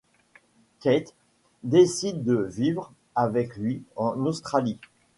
Kate décide de vivre avec lui en Australie.